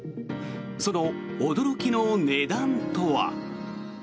その驚きの値段とは。